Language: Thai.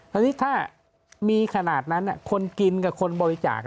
อันนี้ถ้ามีขนาดนั้นคนกินกับคนบริจาค